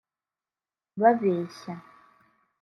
babeshya